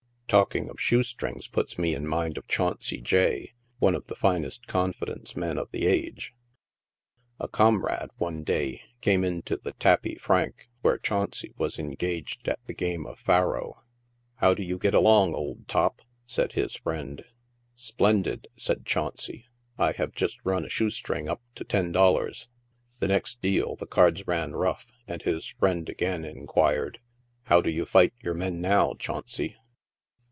Talking of shoe strings puts me in mind of Chauncey J , one of the first confidence men of the age. A comrade, one day, came into the Tapis Franc, where Chauncey was engaged at the game of " faro." " How do you get along, old top ?" said his. friend. " Splendid," says Chauncey ; "I have just run a shoe string up to ten dollars." The next deal the cards ran rough, and his friend again inquired, " How do you fight your men now, Chauncey